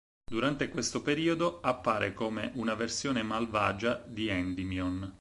Durante questo periodo, appare come una versione malvagia di Endymion.